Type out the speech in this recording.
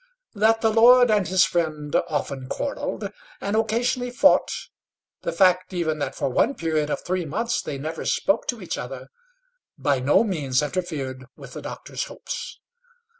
That the lord and his friend often quarrelled, and occasionally fought, the fact even that for one period of three months they never spoke to each other by no means interfered with the doctor's hopes.